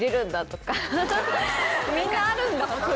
みんなあるんだ。